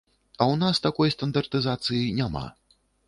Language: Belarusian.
А ў нас такой стандартызацыі няма.